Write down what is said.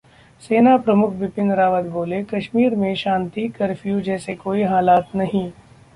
सेना प्रमुख बिपिन रावत बोले- कश्मीर में शांति, कर्फ्यू जैसे कोई हालात नहीं